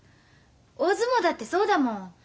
大相撲だってそうだもん。